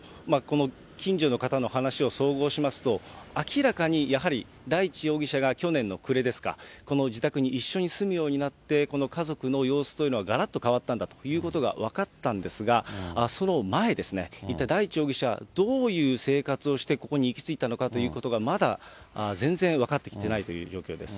近所の方の話を総合しますと、明らかにやはり大地容疑者が去年の暮れですか、この自宅に、一緒に住むようになって、この家族の様子というのはがらっと変わったんだということが、分かったんですが、その前ですね、一体、大地容疑者、どういう生活をして、ここに行き着いたのかということが、まだ全然分かってきてないという状況です。